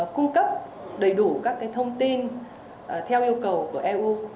cung cấp đầy đủ các thông tin theo yêu cầu của eu